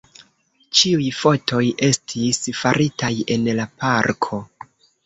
Ĉiuj fotoj estis faritaj en la parko.